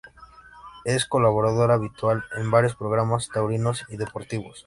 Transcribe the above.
Es colaborador habitual en varios programas taurinos y deportivos.